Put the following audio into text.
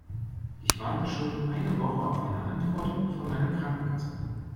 Ich warte schon eine Woche auf eine Antwort von meiner Krankenkasse.